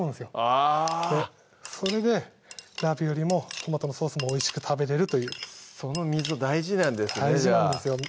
あぁそれでラビオリもトマトのソースもおいしく食べれるというその溝大事なんですね大事なんですよ